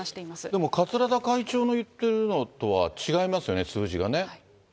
でも、桂田会長の言ってるのとは、違いますよね、数字がね。